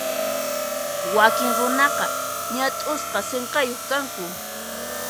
Wakin runaqa ñat'usqa sinqayuq kanku.